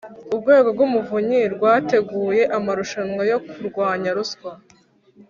urwego rw’umuvunyi rwateguye amarushanwa yo kurwanya ruswa